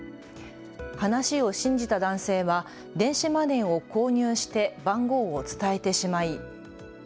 話を信じた男性は電子マネーを購入して番号を伝えてしまい。